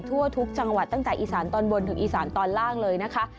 ทั่วทุกจังหวัดตั้งแต่อีสานตอนบนถึงอีสานตอนล่างเลยนะคะ